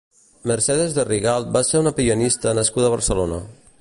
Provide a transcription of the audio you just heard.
Mercedes de Rigalt va ser una pianista nascuda a Barcelona.